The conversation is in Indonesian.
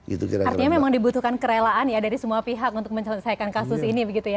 artinya memang dibutuhkan kerelaan dari semua pihak untuk mencahakan kasus ini